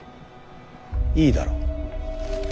いいだろう。